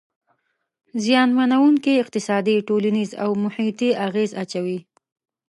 زیانمنووونکي اقتصادي، ټولنیز او محیطي اغیز اچوي.